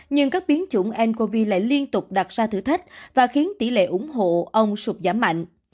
nhưng các biến chủng ncov lại liên tục đặt ra thử thách và khiến tỷ lệ ủng hộ ông sụp giảm mạnh